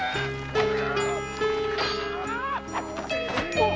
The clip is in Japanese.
あっ！